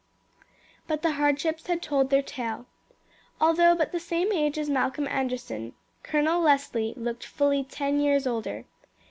But the hardships had told their tale. Although but the same age as Malcolm Anderson, Colonel Leslie looked fully ten years older.